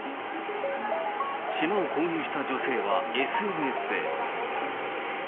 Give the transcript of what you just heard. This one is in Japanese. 島を購入した女性はＳＮＳで。